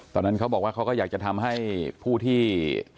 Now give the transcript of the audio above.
ตอนนั้นเขาบอกว่าเขาก็อยากจะทำให้ผู้ที่